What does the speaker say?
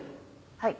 はい。